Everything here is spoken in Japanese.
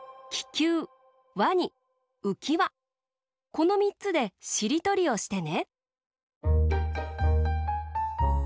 このみっつでしりとりをしてね。